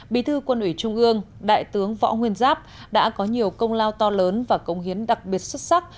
bí thư quân ủy trung ương đại tướng võ nguyên giáp đã có nhiều công lao to lớn và công hiến đặc biệt xuất sắc